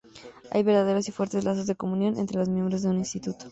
Hay verdaderos y fuertes lazos de comunión entre los miembros de un instituto.